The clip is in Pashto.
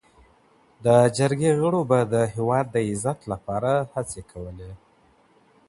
د جرګي غړو به د هیواد د عزت لپاره هڅي کولي.